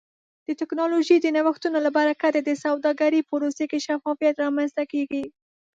د ټکنالوژۍ د نوښتونو له برکته د سوداګرۍ پروسې کې شفافیت رامنځته کیږي.